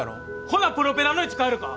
ほなプロペラの位置変えるか？